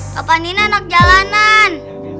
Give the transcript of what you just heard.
topan ini anak jalanan